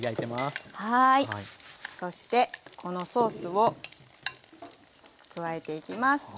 そしてこのソースを加えていきます。